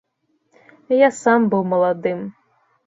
Я сам быў маладым!